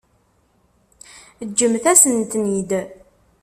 Ǧǧemt-asen-ten-id.